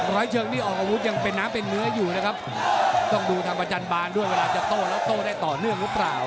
ร้อยเชิงนี่ออกอาวุธยังเป็นน้ำเป็นเนื้ออยู่นะครับต้องดูทางประจันบานด้วยเวลาจะโต้แล้วโต้ได้ต่อเนื่องหรือเปล่า